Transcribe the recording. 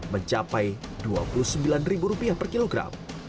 mencapai dua puluh sembilan ribu rupiah per kilogram